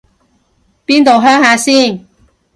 邊度鄉下先